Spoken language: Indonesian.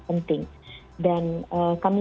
penting dan kami